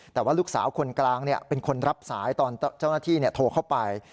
แต่ว่าลูกสาวคนกลางเป็นคนรับสายตอนเจ้าหน้าที่โทรเข้าไป